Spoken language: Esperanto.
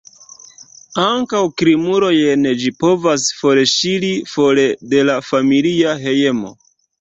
Ankaŭ krimulojn ĝi povas forŝiri for de la familia hejmo.